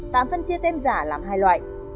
tạm phân chia tem giả làm hai loại